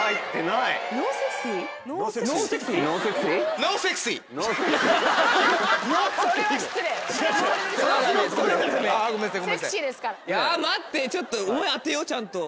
いや待ってちょっとお前当てようちゃんと。